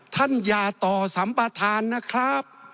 ท่านอย่าต่อสัมปทานนะครับ